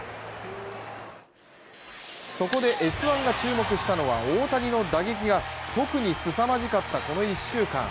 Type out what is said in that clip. そこで「Ｓ☆１」が注目したのは大谷の打撃が特にすさまじかったこの１週間。